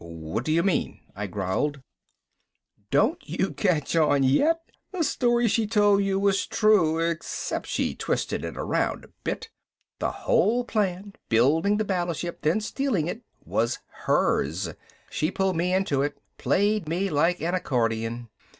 "What do you mean," I growled. "Don't you catch yet? The story she told you was true except she twisted it around a bit. The whole plan, building the battleship, then stealing it, was hers. She pulled me into it, played me like an accordion.